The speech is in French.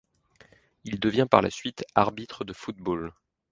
Il devient par la suite arbitre de football.